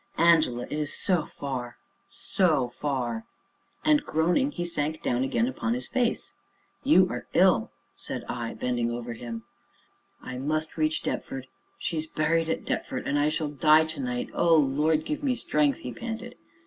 Angela! It is so far so far " And groaning, he sank down again, upon his face. "You are ill!" said I, bending over him. "I must reach Deptford she's buried at Deptford, and I shall die to night O Lord, give me strength!" he panted.